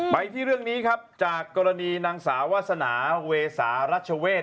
ไปที่เรื่องนี้ครับจากกรณีนางสาววาสนาเวสารัชเวศ